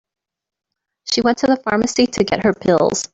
She went to the pharmacy to get her pills.